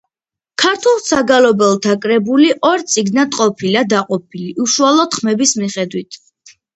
ქართულ საგალობელთა კრებულები ორ წიგნად ყოფილა დაყოფილი უშუალოდ ხმების მიხედვით.